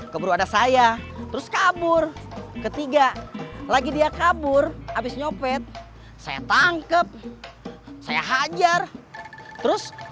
keburu anak saya terus kabur ketiga lagi dia kabur habis nyopet saya tangkep saya hajar terus